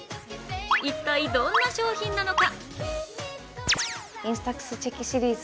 一体、どんな商品なのか。